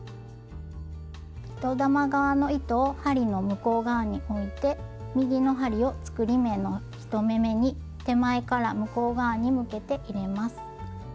糸玉側の糸を針の向こう側において右の針を作り目の１目めに手前から向こう側に向けて入れます。